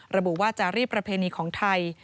ระบุว่าจารีประเพณีของไทย